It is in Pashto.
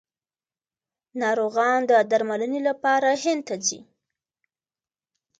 ناروغان د درملنې لپاره هند ته ځي.